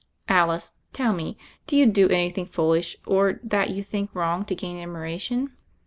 "Alice, tell me : do you do anything foolish, or that you think wrong to gain admiration